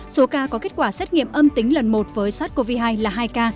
số ca có kết quả xét nghiệm âm tính lần một với sars cov hai là hai ca